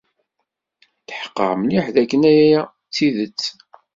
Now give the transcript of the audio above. Tḥeqqeɣ mliḥ dakken aya d tidet.